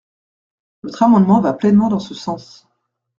Notre amendement va pleinement dans ce sens.